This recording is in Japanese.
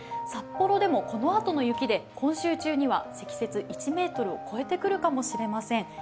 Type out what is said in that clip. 札幌でもこのあとの雪で今週中には積雪１ｍを超えてくるかもしれません。